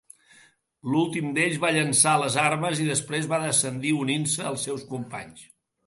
L'últim d'ells va llançar les armes i després va descendir unint-se als seus companys.